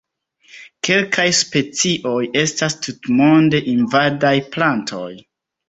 Kelkaj specioj estas tutmonde invadaj plantoj.